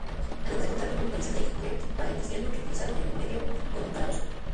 Además de contar con un interesante hipogeo paleocristiano, reutilizado en el medievo como calabozo.